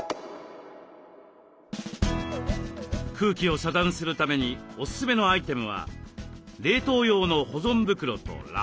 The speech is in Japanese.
空気を遮断するためにおすすめのアイテムは冷凍用の保存袋とラップ。